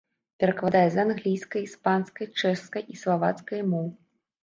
Перакладае з англійскай, іспанскай, чэшскай і славацкай моў.